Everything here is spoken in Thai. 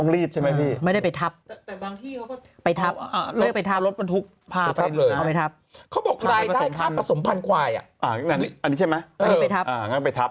งั้นไปทับงั้นไปทับถ้าผสมพันธุ์ขวายกับ